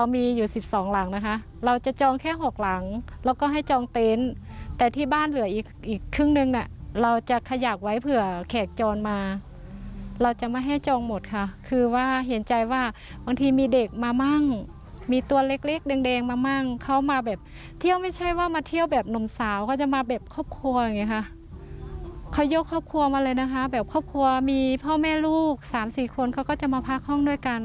มีคนเขาก็จะมาพักห้องด้วยกัน